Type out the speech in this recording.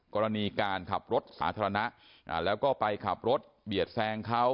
กรณีการขับรถสาธารณะแล้วก็ไปขับรถเบียดแซงเขา